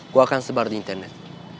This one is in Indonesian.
gue akan sebar di internet